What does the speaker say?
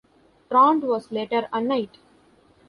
Trond was later a knight.